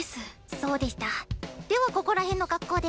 そうでしたではここら辺の学校で。